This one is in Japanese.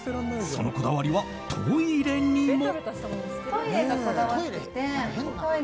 そのこだわりはトイレにも。